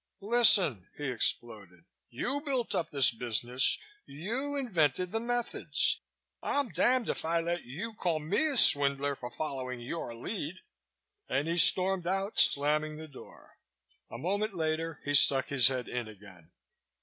"Listen," he exploded. "You built up this business. You invented the methods. I'm damned if I let you call me a swindler for following your lead!" And he stormed out, slamming the door. A moment later, he stuck his head in again.